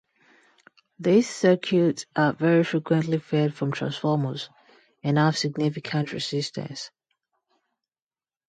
These circuits are very frequently fed from transformers, and have significant resistance.